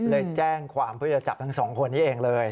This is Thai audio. เลยแจ้งความเพื่อจะจับทั้งสองคนนี้เองเลย